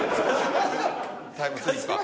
タイムスリッパー。